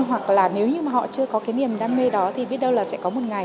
hoặc là nếu như mà họ chưa có cái niềm đam mê đó thì biết đâu là sẽ có một ngày